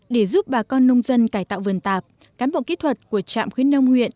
để giúp bà con nông dân cải tạo vườn tạp cán bộ kỹ thuật của trạm khuyến nông huyện